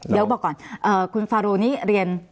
เดี๋ยวบอกก่อนคุณฟารูนี้เรียน